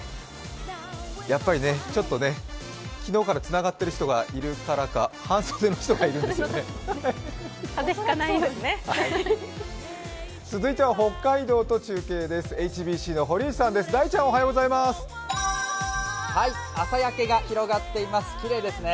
やっぱりね、ちょっとね昨日からつながってる人がいるからか風邪引かないようにね。